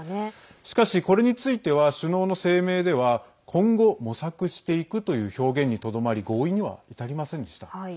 しかし、これについては首脳の声明では今後、模索していくという表現にとどまり合意には至りませんでした。